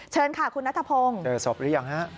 เชิญค่ะคุณนัทพงศ์เจอศพหรือยังฮะ